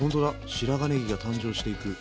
白髪ねぎが誕生していく。